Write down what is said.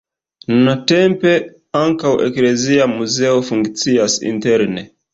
Nuntempe ankaŭ eklezia muzeo funkcias interne.